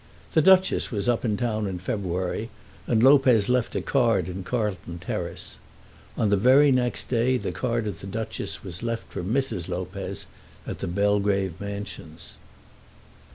The Duchess was up in town in February, and Lopez left a card in Carlton Terrace. On the very next day the card of the Duchess was left for Mrs. Lopez at the Belgrave Mansions.